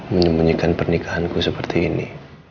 menyembunyikan pernikahanku seperti ini